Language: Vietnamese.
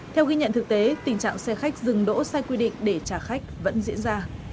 theo ghi nhận thực tế tình trạng xe khách dừng đỗ sai quy định để trả khách vẫn diễn ra